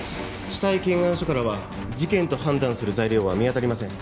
死体検案書からは事件と判断する材料は見当たりません